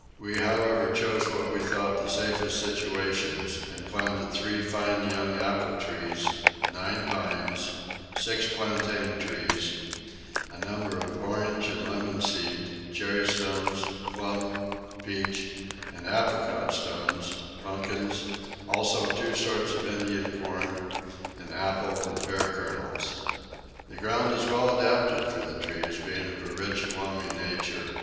We however chose what we thought the safest situations, and planted three fine young apple trees, nine vines, six plantain trees, a number of orange and lemon seed, cherry stones, plum, peach, and apricot stones, pumpkins, also two sorts of Indian corn, and apple and pear kernels. The ground is well adapted for the trees, being of a rich loamy nature.